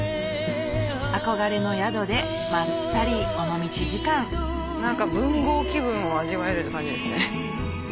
憧れの宿でまったり尾道時間何か文豪気分を味わえる感じですね。